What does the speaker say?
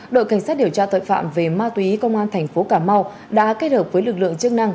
đội cảnh sát điều tra tội phạm về ma túy công an thành phố cà mau đã kết hợp với lực lượng chức năng